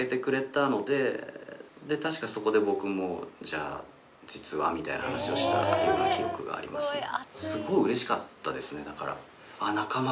確かそこで僕も「実は」みたいな話をしたような記憶があります。と思って。